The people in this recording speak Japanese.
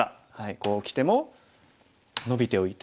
こうきてもノビておいて。